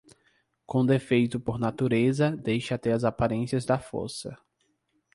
Com defeito por natureza, deixa até as aparências da força.